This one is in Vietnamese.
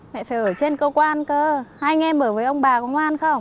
mẹ phải ở trên cơ quan cơ hai anh em ở với ông bà có ngoan không